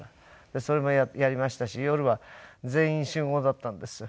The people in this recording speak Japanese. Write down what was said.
それもやりましたし夜は『全員集合』だったんです。